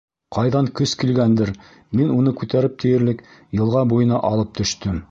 Ҡайҙан көс килгәндер, мин уны күтәреп тиерлек йылға буйына алып төштөм.